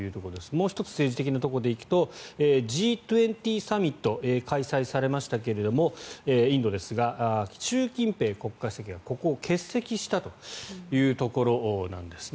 もう１つ政治的なところでいうとＧ２０サミット開催されましたがインドですが、習近平国家主席がここを欠席したというところです。